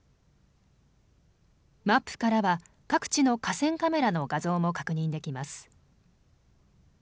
マップからは各地の河川カメラの画像も確認できます。